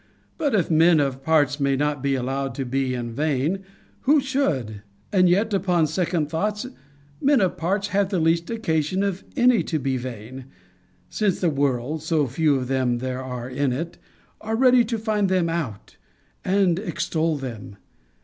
But, if men of parts may not be allowed to be in vain, who should! and yet, upon second thoughts, men of parts have the least occasion of any to be vain; since the world (so few of them are there in it) are ready to find them out, and extol them.